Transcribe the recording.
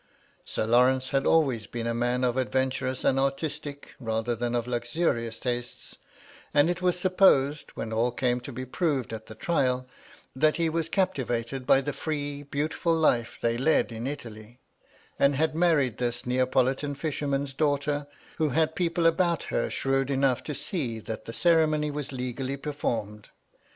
Sir Lawrence had always been a man of adventurous and artistic, rather than of luxurious tastes; and it was supposed, when all came to be proved at the trial, that he was captivated by the free, beautiful life they lead in Italy, and had married this Neapolitan fisherman's daughter, who had people about her shrewd enough to see that the ceremony was legally performed.